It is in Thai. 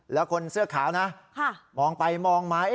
แล้วคนเสื้อขาวนะมองไปมองมา